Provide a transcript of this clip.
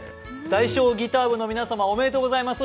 大商ギター部の皆様、おめでとうございます。